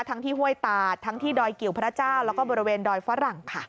ที่ห้วยตาดทั้งที่ดอยกิวพระเจ้าแล้วก็บริเวณดอยฝรั่งค่ะ